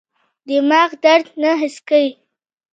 دماغ درد نه حس کوي.